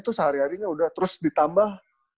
tuh sehari harinya udah terus ditambah